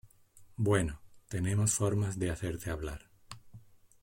Bueno, tenemos formas de hacerte hablar.